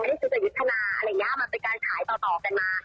ไม่ได้ซื้อแต่ยุทธนามันเป็นการขายต่อกันมา